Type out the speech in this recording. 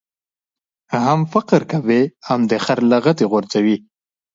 هم فقر کوې ، هم دي خر لغتي غورځوي.